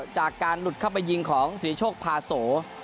จากการหลุดเข้าไปยิงของสิริโชคพาโส